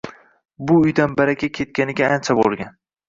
Bu uydan baraka ketganiga ancha bo‘lgan.